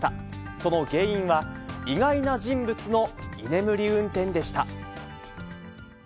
その原因は、意外な人物の居眠り運転でした。